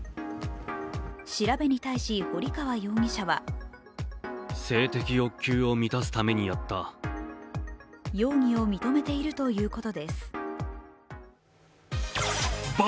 調べに対し堀川容疑者は容疑を認めているということです。